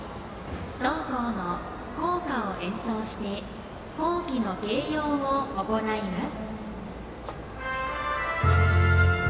同校の校歌を演奏して校旗の掲揚を行います。